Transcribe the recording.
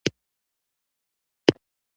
د سوداګرۍ بدیلې لارې خپلې کړئ